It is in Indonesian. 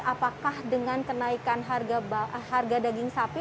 apakah dengan kenaikan harga daging sapi